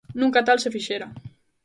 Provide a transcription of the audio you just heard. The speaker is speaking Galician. Nunca tal se fixera.